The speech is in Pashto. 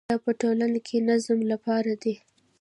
دا په ټولنه کې د نظم لپاره دی.